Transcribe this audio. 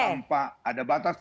tanpa ada batas